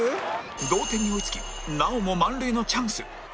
同点に追い付きなおも満塁のチャンス